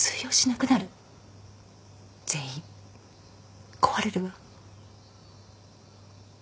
全員壊れるわ。